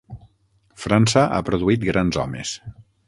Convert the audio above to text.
França ha produït grans homes.